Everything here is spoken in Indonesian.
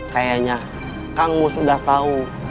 kayaknya kang mus sudah tahu